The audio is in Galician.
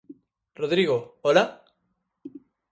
Rodrigo, ola?